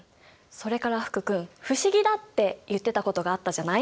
それから福君不思議だって言ってたことがあったじゃない？